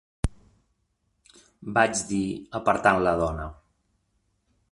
vaig dir, apartant la dona.